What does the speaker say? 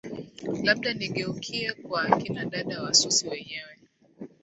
labda nigeukie kwa akina dada wasusi wenyewe